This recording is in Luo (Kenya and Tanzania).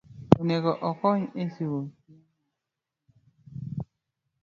onego okony e chiwo chiemo, pi maler,